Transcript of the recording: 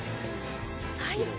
最高。